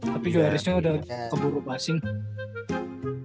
tapi joe harrisnya udah keburu passing